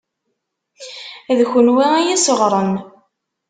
D kunwi i y-isseɣren.